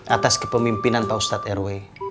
atas kepemimpinan pak ustadz rw